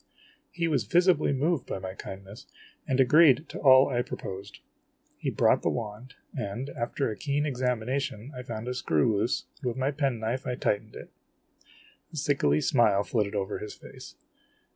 He was visibly moved by my kindness, and agreed to all I proposed. He brought the wand, and, after a keen examination, I found a screw loose, and with my pen knife I tightened it. A sickly smile flitted over his face.